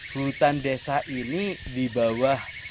hutan desa ini dibawa